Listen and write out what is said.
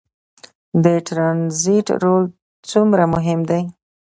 د ټرانزیټ رول څومره مهم دی؟